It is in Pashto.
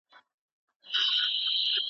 ولي محنتي ځوان د تکړه سړي په پرتله ښه ځلېږي؟